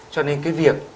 cho nên cái việc